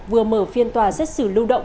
vừa mở phiên tòa xét xử lưu động